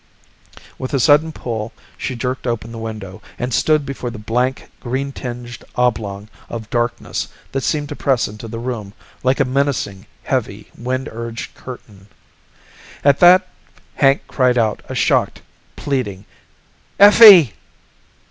With a sudden pull, she jerked open the window and stood before the blank green tinged oblong of darkness that seemed to press into the room like a menacing, heavy, wind urged curtain. At that Hank cried out a shocked, pleading, "Effie!"